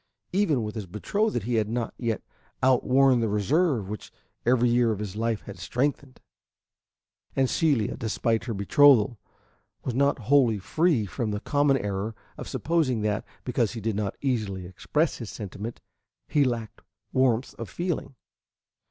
Even with his betrothed he had not yet outworn the reserve which every year of his life had strengthened, and Celia, despite her betrothal, was not wholly free from the common error of supposing that, because he did not easily express his sentiment, he lacked warmth of feeling.